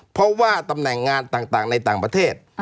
เพราะว่าตำแหน่งงานต่างในต่างประเทศ